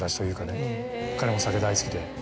彼も酒大好きで。